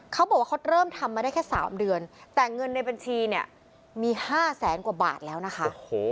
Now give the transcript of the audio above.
เขาบอกว่าเขาเริ่มทำมาได้แค่๓เดือนแต่เงินในบัญชีเนี่ยมี๕แสนกว่าบาทแล้วนะคะ